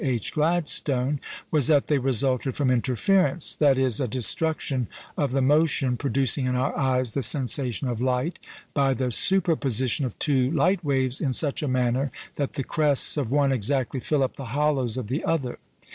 H. Gladstone, was that they resulted from "interference" that is, a destruction of the motion producing in our eyes the sensation of light, by the superposition of two light waves in such a manner that the crests of one exactly fill up the hollows of the other.